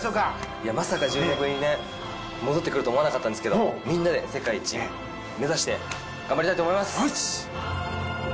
いやまさか１０年ぶりにね戻ってくるとは思わなかったんですけどみんなで世界一目指して頑張りたいと思います！